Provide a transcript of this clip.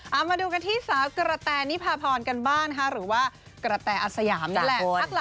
เอามาดูกันที่สาวกระแตนิพาพรกันบ้างนะคะหรือว่ากระแตอาสยามนี่แหละ